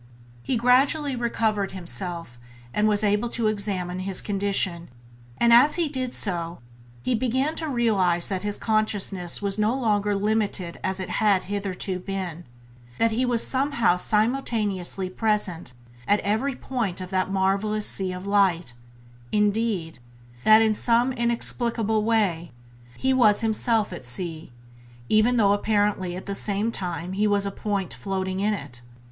He gradually recovered himself and was able to examine his condition; and as he did so he began to realize that his consciousness was no longer limited as it had hitherto been — that he was somehow simultaneously present at every point of that marvellous sea of light; indeed, that in some inexplicable way he was himself that sea, even though apparently at the same time he was a point floating in it.